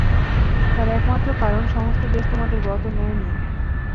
তার একমাত্র কারণ সমস্ত দেশ তোমাদের ব্রত নেয় নি।